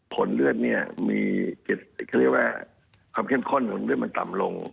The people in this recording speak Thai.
ผลเลือดเนี่ยมีอะไรวะคำเข้มข้นขนเลือดมันต่ำลง